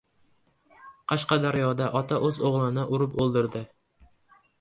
Qashqadaryoda ota o‘z o‘g‘lini urib o‘ldirdi